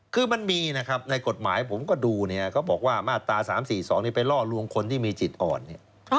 คือมันมีนะครับในกฎหมายผมก็ดูเนี่ยเขาบอกว่ามาตรา๓๔๒ไปล่อลวงคนที่มีจิตอ่อนเนี่ย